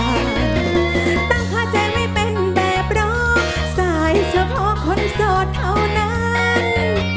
ตั้งคาใจไม่เป็นแบบรอสายเฉพาะคนโสดเท่านั้น